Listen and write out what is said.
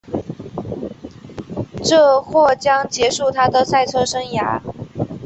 这或将结束她的赛车生涯。